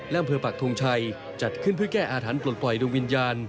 อำเภอปักทงชัยจัดขึ้นเพื่อแก้อาถรรพ์ปลดปล่อยดวงวิญญาณ